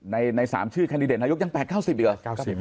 ใน๓ชื่อแคนดิเดตนายกยัง๘๙๐อีกเหรอ